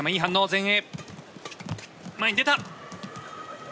前に出た。